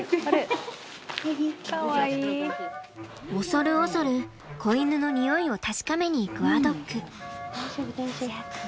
恐る恐る子犬のニオイを確かめに行くアドック。